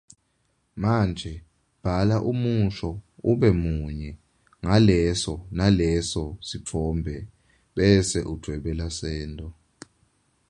Manje bhala umusho ube munye ngaleso naleso sitfombe ubese udvwebela sento.